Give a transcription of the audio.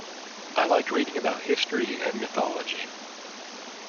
I like reading about history and mythology.